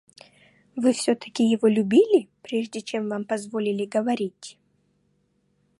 Вы всё-таки его любили, прежде чем вам позволили говорить?